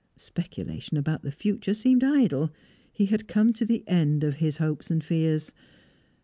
Speculation about the future seemed idle; he had come to the end of hopes and fears.